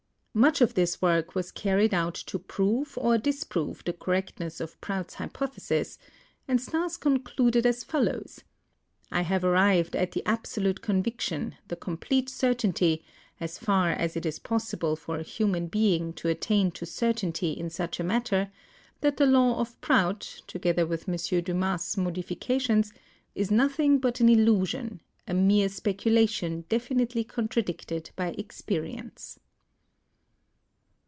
Much of this work was carried out to prove or disprove the correctness of Prout's hypothesis, and Stas concluded as follows : "I have arrived at the absolute conviction, the complete certainty, as far as it is possible for a human being to attain to certainty in such a matter, that the law of Prout, together with M. Dumas' modifications, is noth ing but an illusion, a mere speculation definitely contra dicted by experience."